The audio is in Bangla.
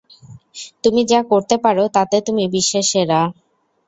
তুমি যা করতে পারো তাতে তুমি বিশ্বের সেরা।